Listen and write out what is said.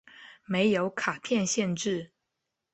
没有卡片限制。